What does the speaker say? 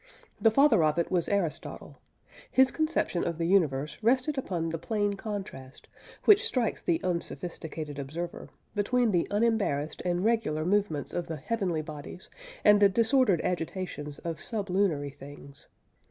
The father of it was Aristotle. His conception of the universe rested upon the plain contrast, which strikes the unsophisticated observer, between the unembarrassed and regular movements of the heavenly bodies and the disordered agitations of sublunary things.